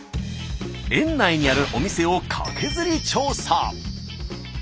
園内にあるお店をカケズリ調査。